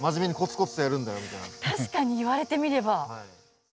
確かに言われてみれば。